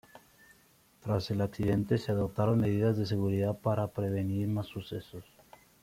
Tras el accidente se adoptaron medidas de seguridad para prevenir más sucesos.